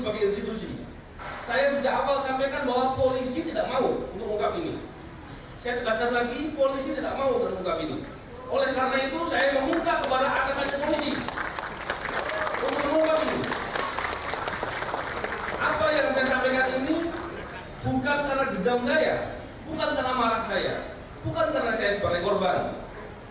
apa yang saya sampaikan ini bukan karena gendam daya bukan karena marah saya bukan karena saya sebagai korban